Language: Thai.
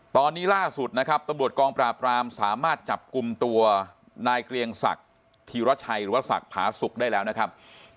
ตอนนี้ล่าสุดนะครับตำรวจกองปราบรามสามารถจับกลุ่มตัวนายเกรียงศักดิ์ธีรชัยหรือว่าศักดิ์ผาสุกได้แล้วนะครับ